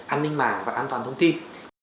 an ninh mạng và an toàn thông tin